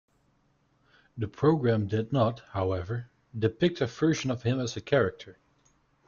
The programme did not, however, depict a version of him as a character.